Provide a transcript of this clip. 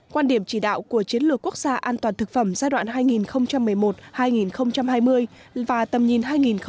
quan điểm chỉ đạo của chiến lược quốc gia an toàn thực phẩm giai đoạn hai nghìn một mươi một hai nghìn hai mươi và tầm nhìn hai nghìn ba mươi